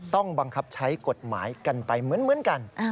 ต้องบังคับใช้กฎหมายกันไปเหมือนกัน